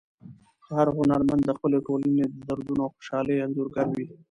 هر هنرمند د خپلې ټولنې د دردونو او خوشحالیو انځورګر وي.